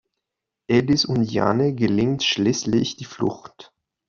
Ellis und Jane gelingt schließlich die Flucht.